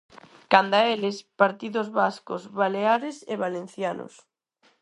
Canda eles, partidos vascos, baleares e valencianos.